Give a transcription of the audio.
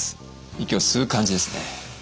息を吸う感じですね。